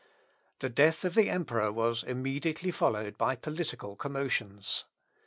The death of the emperor was immediately followed by political commotions.